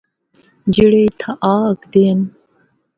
جِڑّے اِتھّا آ ہکدے ہن۔